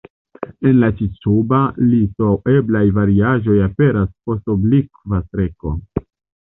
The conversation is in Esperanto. En la ĉi-suba listo eblaj variaĵoj aperas post oblikva streko.